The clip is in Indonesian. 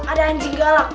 ada anjing galak